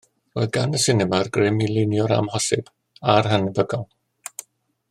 Roedd gan y sinema'r grym i lunio'r amhosib a'r annhebygol